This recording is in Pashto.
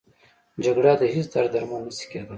جګړه د هېڅ درد درمل نه شي کېدی